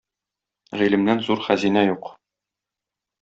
Гыйлемнән зур хәзинә юк.